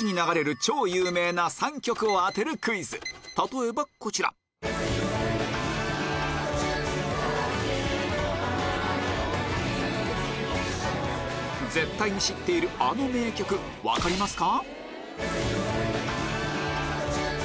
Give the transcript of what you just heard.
例えばこちら絶対に知っているあの名曲分かりますか？